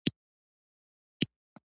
د یوې نیمې پېړۍ را پدېخوا اشنا وه.